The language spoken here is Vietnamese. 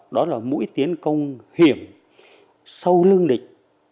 đó là mũi tiến công hiểm sâu lưng địch